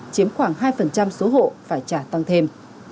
chiếm khoảng hai số hộ phải trả tăng thêm